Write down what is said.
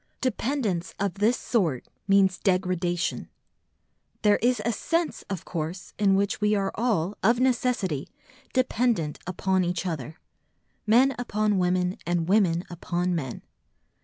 Dependence of this sort means degradation. There is a sense, of course, in which we are all, of necessity, dependent upon each other, men upon women and women upon men.